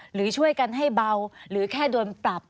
หรือช่วยกันให้เบาหรือแค่โดนปรับ